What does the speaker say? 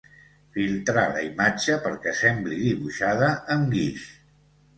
Filtrar la imatge perquè sembli dibuixada amb guix